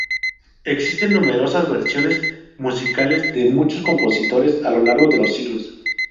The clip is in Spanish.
Existen numerosas versiones musicales de muchos compositores a lo largo de los siglos.